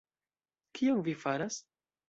Kion vi faras!..